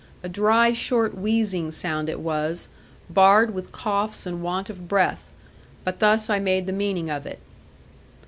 A dry short wheezing sound it was, barred with coughs and want of breath; but thus I made the meaning of it.